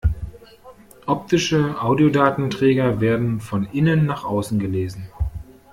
Optische Audiodatenträger werden von innen nach außen gelesen.